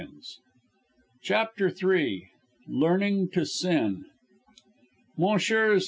] CHAPTER III LEARNING TO SIN Messrs.